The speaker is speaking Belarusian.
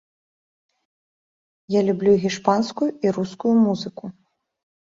Я люблю гішпанскую і рускую музыку.